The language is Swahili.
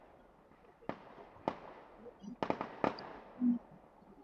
lililotakiwa kufanyika ili kutafuta nchi iliyo bora kuwa mwenyeji wa